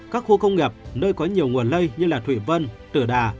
các khu công nghiệp nơi có nhiều nguồn lây như thủy vân tử đà